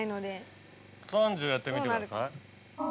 やってみてください。